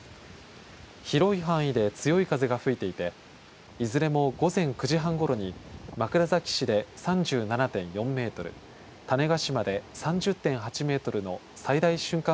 広い範囲で強い風が吹いていていずれも午前９時半ごろに枕崎市で３７．４メートル、種子島で３０．８メートルの最大瞬間